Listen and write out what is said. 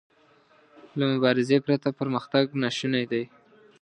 له مبارزې پرته پرمختګ ناشونی دی.